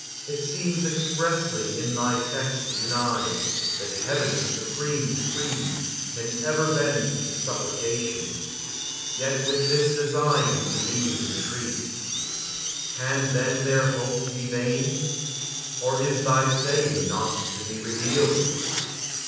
It seems expressly in thy text denied, That Heaven's supreme decree can ever bend To supplication; yet with this design Do these entreat. Can then their hope be vain? Or is thy saying not to be revealed?"